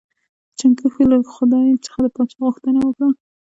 چنګښو له خدای څخه د پاچا غوښتنه وکړه.